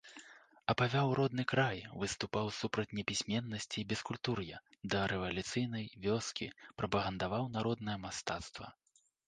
Апяваў родны край, выступаў супраць непісьменнасці і бескультур'я дарэвалюцыйнай вёскі, прапагандаваў народнае мастацтва.